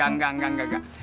enggak enggak enggak